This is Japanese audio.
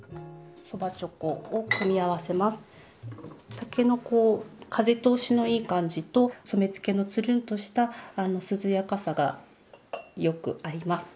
竹のこう風通しのいい感じと染付のつるんとした涼やかさがよく合います。